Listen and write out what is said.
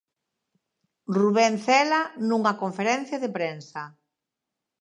Rubén Cela, nunha conferencia de prensa.